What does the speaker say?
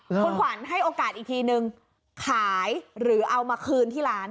คุณขวัญให้โอกาสอีกทีนึงขายหรือเอามาคืนที่ร้าน